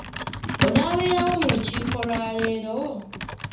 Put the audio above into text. Onaabeerawo mu lukiiko lwa leero?